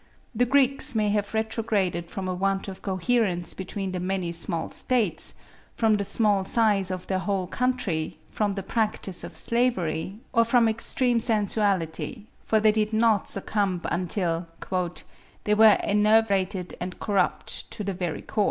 The Greeks may have retrograded from a want of coherence between the many small states, from the small size of their whole country, from the practice of slavery, or from extreme sensuality; for they did not succumb until "they were enervated and corrupt to the very core."